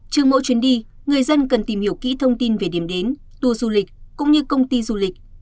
trừ mỗi chuyến đi người dân cần tìm hiểu kỹ thông tin về điểm đến tour du lịch cũng như công ty du lịch